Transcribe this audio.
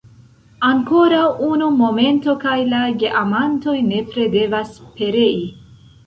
Ankoraŭ unu momento, kaj la geamantoj nepre devas perei!